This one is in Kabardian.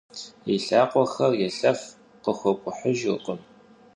И лъакъуэхэр елъэф, къыхуэкӏухьыжыркъым.